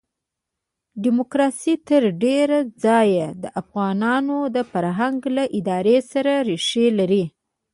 ډیموکراسي تر ډېره ځایه د افغانانو د فرهنګ له ادارې سره ریښې لري.